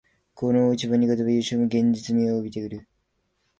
この大一番に勝てば優勝も現実味を帯びてくる